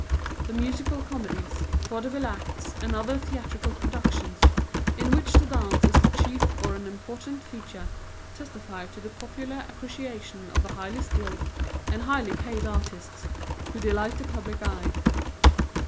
The musical comedies, vaudeville acts, and other theatrical productions in which the dance is the chief or an important feature, testify to the popular appreciation of the highly skilled and highly paid artists who delight the public eye.